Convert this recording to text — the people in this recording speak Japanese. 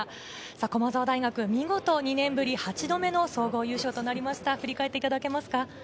駒澤大学、見事２年ぶり８度目の総合優勝です。